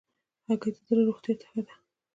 هګۍ د زړه روغتیا ته ښه ده.